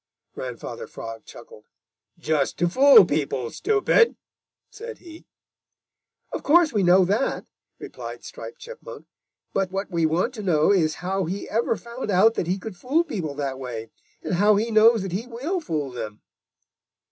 Grandfather Frog chuckled. "Just to fool people, stupid!" said he. "Of course we know that," replied Striped Chipmunk, "but what we want to know is how he ever found out that he could fool people that way, and how he knows that he will fool them."